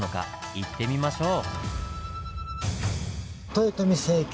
行ってみましょう！